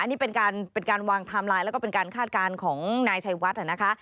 อันนี้เป็นการเป็นการวางไทม์ไลน์แล้วก็เป็นการคาดการณ์ของนายชัยวัดนะคะ